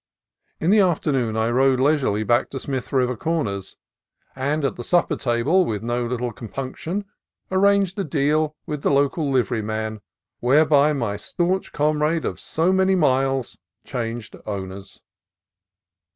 In the afternoon I rode leisurely back to Smith River Corners, and at the supper table with no little com punction arranged a "deal" with the local livery man whereby my staunch comrade of so many miles changed owners.